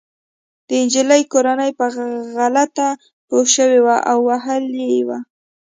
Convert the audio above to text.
د انجلۍ کورنۍ په غلطه پوه شوې وه او وهلې يې وه